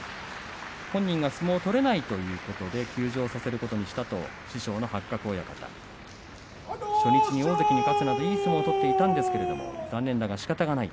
本人が相撲を取れないということで、休場させることにしたと師匠の八角親方初日に大関に勝つなどいい相撲を取っていたんですが残念だけどもしかたがない。